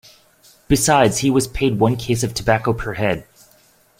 Besides, he was paid one case of tobacco per head.